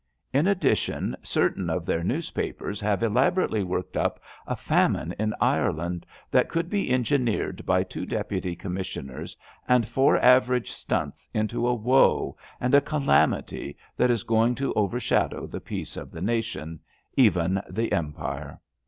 In addition, certain of their newspapers have elaborately worked up a famine in Ireland that could be engineered by two Deputy Commissioners and four average Stunts into a woe " and a calamity" that is going to overshadow the LETTEES ON LEAVE 211 peace of the nation — even the Empire.